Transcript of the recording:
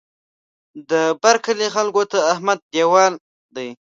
د بر کلي خلکو ته احمد دېوال دی.